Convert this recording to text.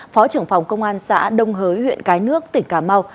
phó trưởng phòng công an xã đông hới huyện cái nước tỉnh cà mau